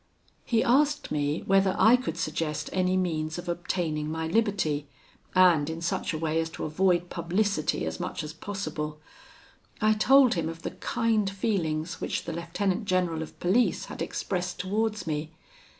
"He asked me whether I could suggest any means of obtaining my liberty, and in such a way as to avoid publicity as much as possible. I told him of the kind feelings which the lieutenant general of police had expressed towards me.